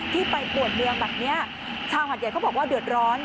ที่ไปปวดเมืองแบบนี้ชาวหาดใหญ่เขาบอกว่าเดือดร้อน